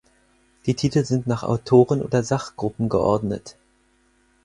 Die Titel sind nach Autoren oder Sachgruppen geordnet.